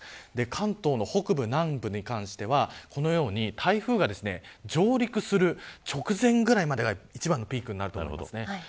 関東の北部、南部に関しては台風が上陸する直前ぐらいまでは一番のピークになります。